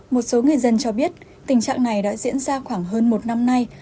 một số người dân cho biết tình trạng này đã diễn ra khoảng hơn một năm nay